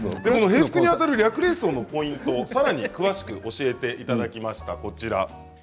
平服にあたる略礼装のポイントをさらに詳しく教えてもらいました。